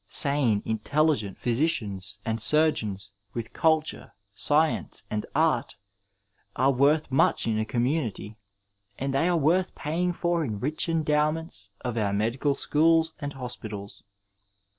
Sane, intelligent physicians and sur geons with culture, science, and art, are worth much in a conmiunity, and they are worth paying for in rich endow ments of our medical schools and hospitals.